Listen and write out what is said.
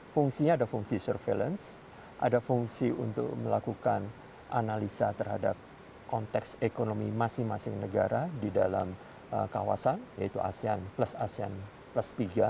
fungsinya ada fungsi surveillance ada fungsi untuk melakukan analisa terhadap konteks ekonomi masing masing negara di dalam kawasan yaitu asean plus asean plus tiga